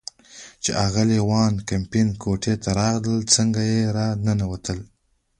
چې اغلې وان کمپن کوټې ته راغلل، څنګه چې را ننوتل.